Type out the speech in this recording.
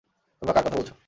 তোমরা কার কথা বলছো?